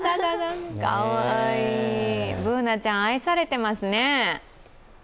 Ｂｏｏｎａちゃん愛されてますね。